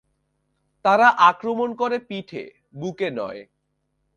তারা আক্রমণ করে পিঠে, বুকে নয়।